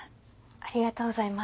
ありがとうございます。